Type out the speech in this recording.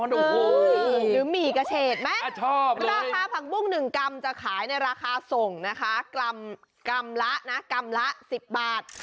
หรือหมี่กระเชษมั้ยราคาผักบุ้ง๑กรัมจะขายในราคาส่งกรัมละ๑๐บาท